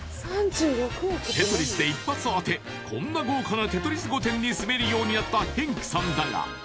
［テトリスで一発当てこんな豪華なテトリス御殿に住めるようになったヘンクさんだが］